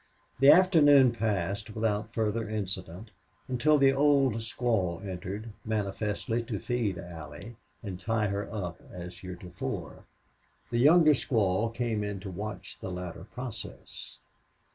The afternoon passed without further incident until the old squaw entered, manifestly to feed Allie, and tie her up as heretofore. The younger squaw came in to watch the latter process.